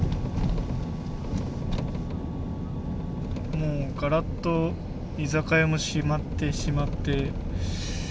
もうガラッと居酒屋も閉まってしまって。